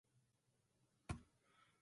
According to Livy, Tarquin came from Etruria.